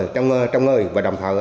trong người và đồng thờ